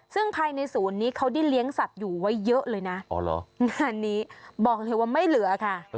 ซึ่งภายในศูนย์นี้เขาได้เลี้ยงสัตว์อยู่ไว้เยอะเลยนะงานนี้บอกเลยว่าไม่เหลือค่ะ